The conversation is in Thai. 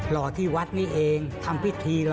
รอที่วัดนี้เองทำพิธีรอ